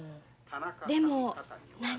でも何？